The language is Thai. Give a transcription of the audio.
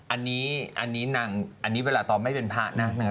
อันนี้อันนี้นางอันนี้เวลาตอบไม่เป็นผ้านางนะฮะ